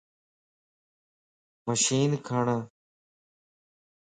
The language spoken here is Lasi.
مشين کڻ